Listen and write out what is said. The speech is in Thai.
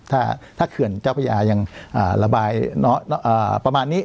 ถ้าถ้าเขื่อนเจ้าพระยายังอ่าระบายน้ำอ่าประมาณนี้